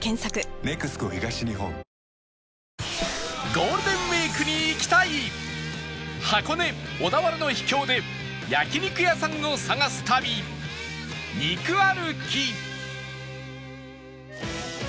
ゴールデンウィークに行きたい箱根小田原の秘境で焼肉屋さんを探す旅肉歩き